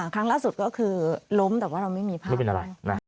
ครั้งล่าสุดก็คือล้มแต่ว่าเราไม่มีภาพ